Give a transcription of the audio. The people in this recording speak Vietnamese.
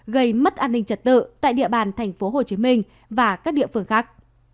gây mất an ninh trật tự tại địa bàn tp hcm và các địa phương khác